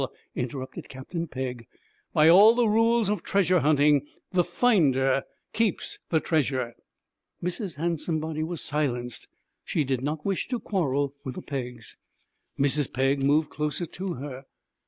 interrupted Captain Pegg. 'By all the rules of treasure hunting, the finder keeps the treasure.' Mrs. Handsomebody was silenced. She did not wish to quarrel with the Peggs. Mrs. Pegg moved closer to her.